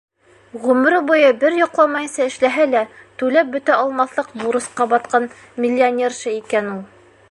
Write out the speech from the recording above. Ғүмере буйы бер йоҡламайынса эшләһә лә, түләп бөтә алмаҫлыҡ бурысҡа батҡан «миллионерша» икән ул.